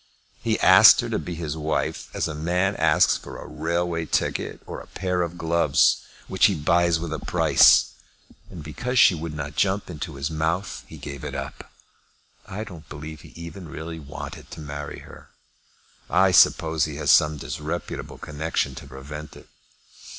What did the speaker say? He asked her to be his wife as a man asks for a railway ticket or a pair of gloves, which he buys with a price; and because she would not jump into his mouth he gave it up. I don't believe he even really wanted to marry her. I suppose he has some disreputable connection to prevent it."